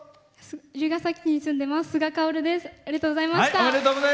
龍ケ崎に住んでます、すがです。